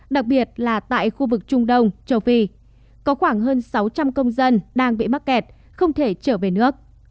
đặc biệt là tại khu vực trung đông châu phi có khoảng hơn sáu trăm linh công dân đang bị mắc kẹt không thể trở về nước